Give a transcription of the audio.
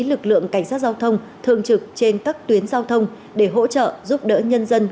lực lượng cảnh sát giao thông thường trực trên các tuyến giao thông để hỗ trợ giúp đỡ nhân dân